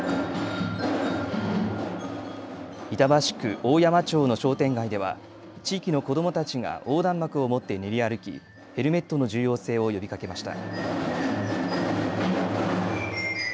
板橋区大山町の商店街では地域の子どもたちが横断幕を持って練り歩きヘルメットの重要性を呼びかけました。